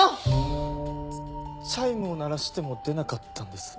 チャイムを鳴らしても出なかったんです。